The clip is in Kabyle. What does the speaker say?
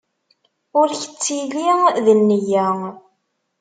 Ur k-ttili d nneyya!